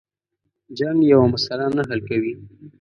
جنگ یوه مسله نه حل کوي.